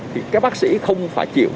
thì các bác sĩ không phải chịu